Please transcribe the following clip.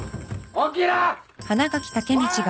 起きろ！